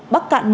bắc cạn một